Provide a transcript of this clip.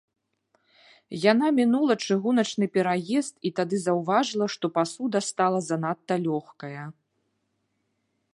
Яна мінула чыгуначны пераезд і тады заўважыла, што пасуда стала занадта лёгкая.